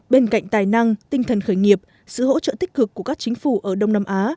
bên cạnh tài năng tinh thần khởi nghiệp sự hỗ trợ tích cực của các chính phủ ở đông nam á